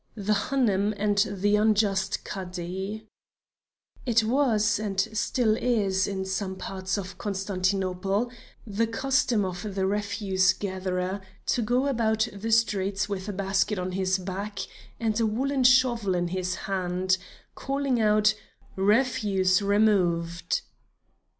THE HANOUM AND THE UNJUST CADI It was, and still is, in some parts of Constantinople, the custom of the refuse gatherer to go about the streets with a basket on his back, and a wooden shovel in his hand, calling out 'refuse removed.'